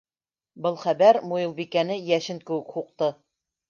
Был хәбәр Муйылбикәне йәшен кеүек һуҡты.